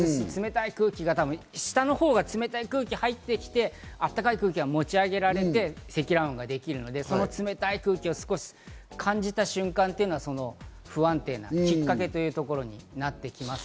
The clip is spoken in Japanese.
下のほうに冷たい空気が入ってきて、暖かい空気が持ち上げられて積乱雲ができるので、その冷たい空気を感じた瞬間というのは不安定なきっかけというところになってきます。